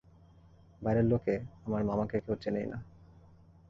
বাইরের লোকে আমার মামাকে কেউ চেনেই না।